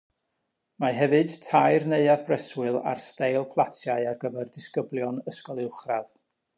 Mae hefyd tair neuadd breswyl ar steil fflatiau ar gyfer disgyblion ysgol uwchradd.